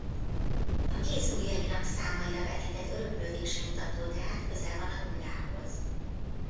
A kéz ujjainak számaira vetített öröklődési mutató tehát közel van a nullához.